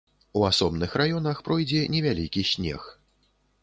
У асобных раёнах пройдзе невялікі снег.